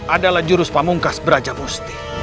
adalah jurus pamungkas brajamusti